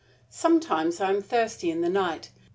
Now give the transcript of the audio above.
"Sometimes I am thirsty in the night.